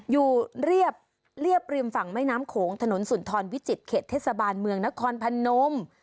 เรียบริมฝั่งแม่น้ำโขงถนนสุนทรวิจิตเขตเทศบาลเมืองนครพนม